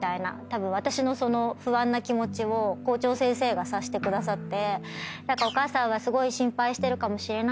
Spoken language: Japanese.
私のその不安な気持ちを校長先生が察してくださって。